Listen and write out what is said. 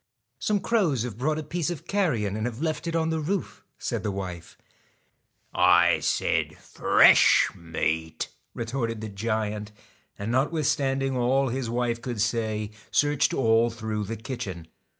I Some crows have brought a piece of carrion and have left it on the roof,' said the wife. I 1 said fresh meat, ' retorted the giant ; and not withstanding all his wife could say, searched all through the kitchen.